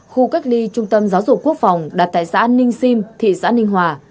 khu cách ly trung tâm giáo dục quốc phòng đặt tại xã ninh sim thị xã ninh hòa